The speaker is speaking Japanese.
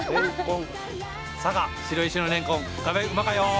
佐賀白石のれんこんがばいうまかよ。